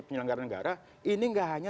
penyelenggara negara ini nggak hanya